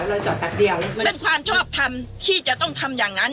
ไม่ให้ออกจากบ้านได้อย่างไรคุณรู้แล้วคนที่มาซื้อของในตลาด